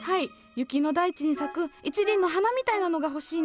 雪の大地に咲く一輪の花みたいなのが欲しいんです。